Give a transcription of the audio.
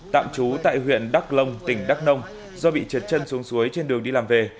tạm trú tại huyện đắk lông tỉnh đắk nông do bị trượt chân xuống suối trên đường đi làm về